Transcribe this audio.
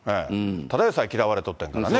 ただでさえ嫌われとったんだからね。